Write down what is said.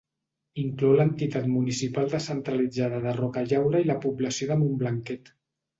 Inclou l'entitat municipal descentralitzada de Rocallaura i la població de Montblanquet.